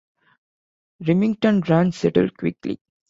Remington Rand settled quickly.